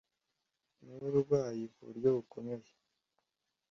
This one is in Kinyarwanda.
n’uburwayi ku buryo bukomeye